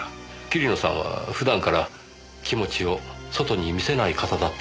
桐野さんは普段から気持ちを外に見せない方だったのでしょうか？